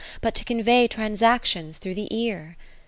But to convey transactions through the ear.